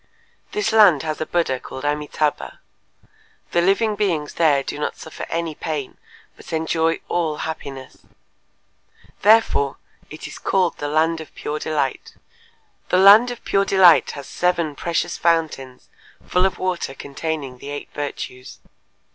This land has a Buddha called Amitâbha. The living beings there do not suffer any pain, but enjoy all happiness. Therefore, it is called the land of Pure Delight … the land of Pure Delight has seven precious fountains full of water containing the eight virtues.